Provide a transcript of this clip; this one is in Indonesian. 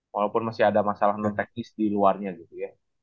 walaupun masih ada masalah non teknis di luarnya gitu ya